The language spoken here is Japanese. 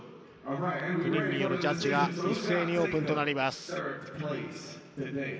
９人によるジャッジ一斉にオープンとなります。